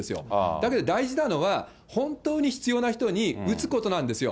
だけど大事なのは、本当に必要な人に打つことなんですよ。